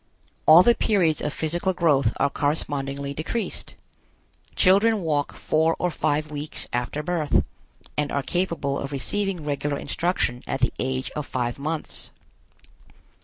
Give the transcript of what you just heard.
All the periods of physical growth are correspondingly decreased. Children walk four or five weeks after birth, and are capable of receiving regular instruction at the age of five months.